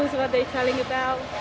jadi itu tidak penting untuk kita